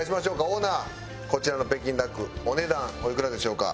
オーナーこちらの北京ダックお値段おいくらでしょうか？